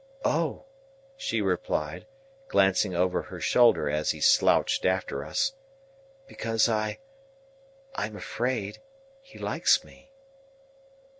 "Oh!" she replied, glancing over her shoulder as he slouched after us, "because I—I am afraid he likes me."